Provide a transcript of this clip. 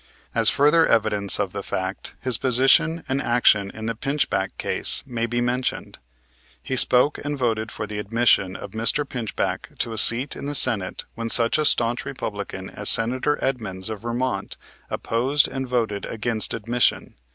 As further evidence of that fact, his position and action in the Pinchback case may be mentioned. He spoke and voted for the admission of Mr. Pinchback to a seat in the Senate when such a staunch Republican as Senator Edmunds, of Vermont, opposed and voted against admission.